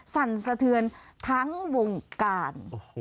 สั่นสะเทือนทั้งวงการ